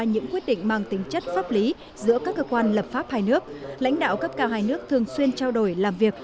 những quyết định mang tính chất pháp lý giữa các cơ quan lập pháp hai nước lãnh đạo cấp cao hai nước